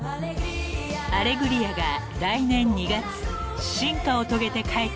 ［『アレグリア』が来年２月進化を遂げて帰ってきます］